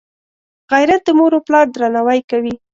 غیرت د موروپلار درناوی کوي